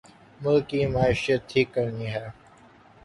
ملک کی معیشت ٹھیک کرنی ہے